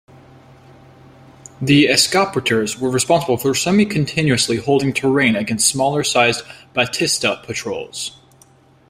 The "escopeteros" were responsible for semi-continuously holding terrain against smaller sized Batista patrols.